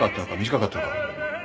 短かったのか？